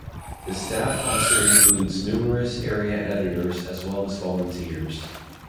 The staff also includes numerous area editors as well as volunteers.